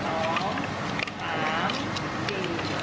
โอเค